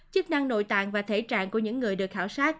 chức năng nội tạng và thể trạng của những người được khảo sát